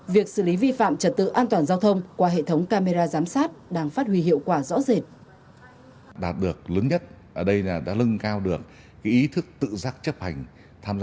việc xử lý vi phạm trật tự an toàn giao thông qua hệ thống camera giám sát đang phát huy hiệu quả rõ rệt